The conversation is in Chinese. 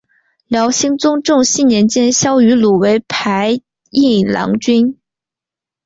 辽兴宗重熙年间萧迂鲁为牌印郎君。